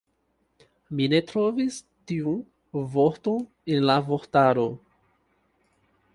Mi ne trovis tiun vorton en la vortaro.